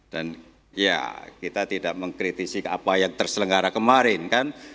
dan ya kita tidak mengkritisi apa yang terselenggara kemarin kan